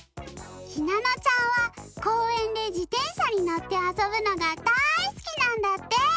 ひなのちゃんはこうえんでじてんしゃにのってあそぶのがだいすきなんだって！